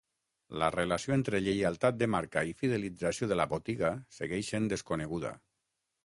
La relació entre lleialtat de marca i fidelització de la botiga segueix sent desconeguda.